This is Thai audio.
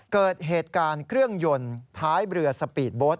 เกิดเหตุการณ์เครื่องยนต์ท้ายเรือสปีดโบสต